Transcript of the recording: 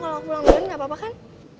kalau aku pulang belom gak apa apa kan